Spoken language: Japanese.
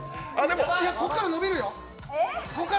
ここから伸びるよ？